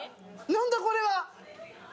何だこれは？